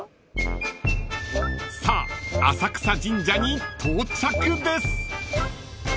［さあ浅草神社に到着です］